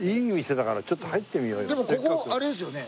でもここあれですよね？